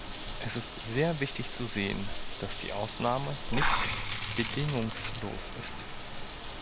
Es ist sehr wichtig zu sehen, dass die Ausnahme nicht bedingungslos ist.